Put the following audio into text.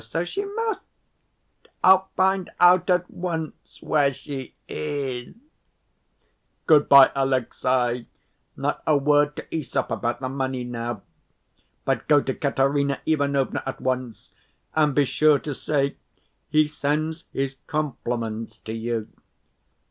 So she must ... I'll find out at once where she is.... Good‐by, Alexey! Not a word to Æsop about the money now. But go to Katerina Ivanovna at once and be sure to say, 'He sends his compliments to you!